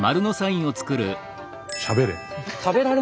しゃべれ。